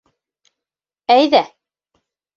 Әйҙә.